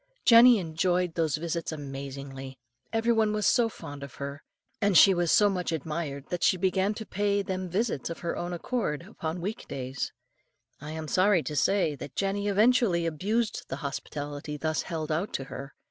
Jenny enjoyed those visits amazingly; every one was so fond of her, and she was so much admired, that she began to pay them visits of her own accord upon weekdays. I am sorry to say that Jenny eventually abused the hospitality thus held out to her.